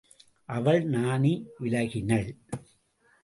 அவள் நாணி விலகினள்.